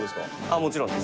もちろんです。